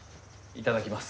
いただきます。